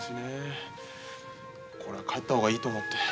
これは帰った方がいいと思って。